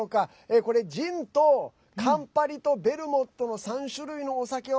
これ、ジンとカンパリとベルモットの３種類のお酒を